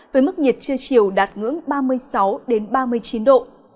với mức nhiệt chưa chiều đạt ngưỡng ba mươi sáu đến ba mươi chín độ